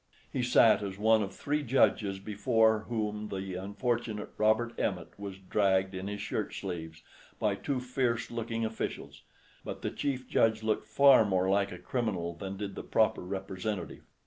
He sat as one of three judges before whom the unfortunate Robert Emmet was dragged in his shirt sleeves, by two fierce looking officials; but the chief judge looked far more like a criminal than did the proper representative.